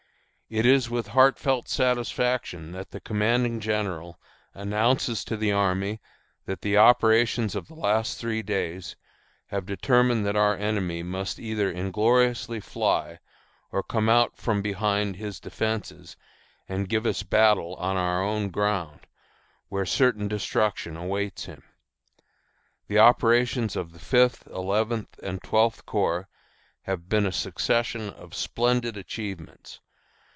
It is with heartfelt satisfaction that the commanding general announces to the army that the operations of the last three days have determined that our enemy must either ingloriously fly or come out from behind his defences and give us battle on our own ground, where certain destruction awaits him. The operations of the Fifth, Eleventh, and Twelfth Corps have been a succession of splendid achievements.